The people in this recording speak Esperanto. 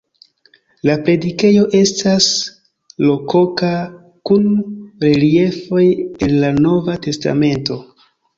La predikejo estas rokoka kun reliefoj el la Nova Testamento.